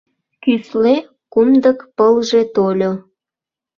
Кӱсле кумдык пылже тольо